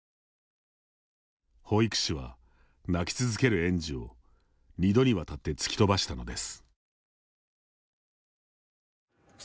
保育士は、泣き続ける園児を２度にわたって突き飛ばしたのです。